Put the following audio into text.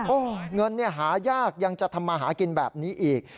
โอ้โหเงินหายากยังจะทำมาหากินแบบนี้อีก